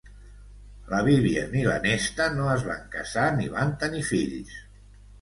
La Vivien i la Nesta no es van casar ni van tenir fills.